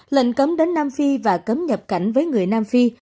lệnh cấm đến nam phi và cấm nhập cảnh với người nam phi